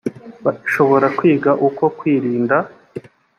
bashobora kwiga uko bakwirinda